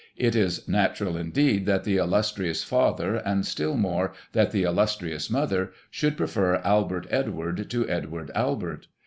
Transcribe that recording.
" It is natural, indeed, that the illustrious father, and still more, that the illustrious mother, should prefer Albert Edward to Edward Albert.